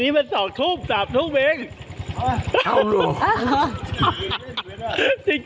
นี่มันสองทุ่มสามทุ่มเองเอ้าโหจริง